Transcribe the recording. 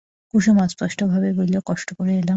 কুসুম অস্পষ্টভাবে বলিল, কষ্ট করে এলাম।